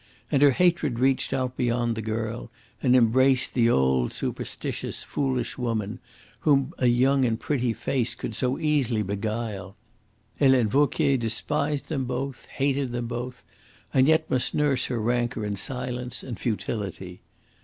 And her hatred reached out beyond the girl, and embraced the old, superstitious, foolish woman, whom a young and pretty face could so easily beguile. Helene Vauquier despised them both, hated them both, and yet must nurse her rancour in silence and futility.